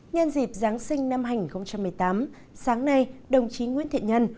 nhân dịp giáng sinh năm hai nghìn một mươi tám sáng nay đồng chí nguyễn thiện nhân